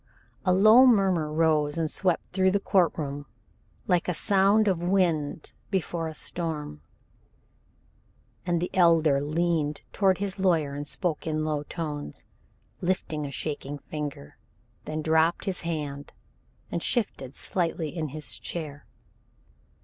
A low murmur rose and swept through the court room like a sound of wind before a storm, and the old Elder leaned toward his lawyer and spoke in low tones, lifting a shaking finger, then dropped his hand and shifted slightly in his chair.